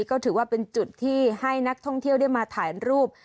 ก็ถือว่าเป็นจุดที่ให้นักท่องเที่ยวได้มาถ่ายรูป